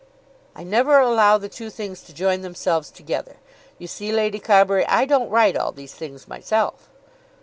"I never allow the two things to join themselves together. You see, Lady Carbury, I don't write all these things myself."